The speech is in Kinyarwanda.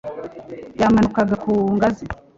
yamanukaga ku ngazi